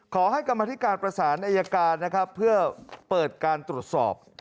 กรรมธิการประสานอายการนะครับเพื่อเปิดการตรวจสอบ